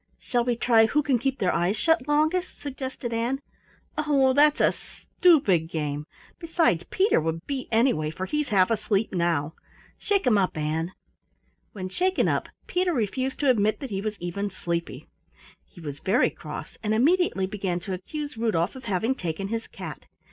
"Shall we try who can keep their eyes shut longest," suggested Ann. "Oh, that's a stupid game! Beside Peter would beat anyway, for he's half asleep now. Shake him up, Ann." When shaken up Peter refused to admit that, he was even sleepy. He was very cross, and immediately began to accuse Rudolf of having taken his cat.